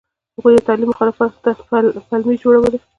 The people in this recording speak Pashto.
هغوی د تعلیم مخالفت ته پلمې جوړولې.